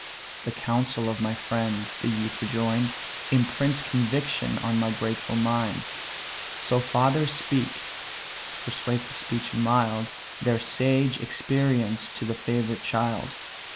"The counsel of my friend (the youth rejoin'd) Imprints conviction on my grateful mind. So fathers speak (persuasive speech and mild) Their sage experience to the favourite child.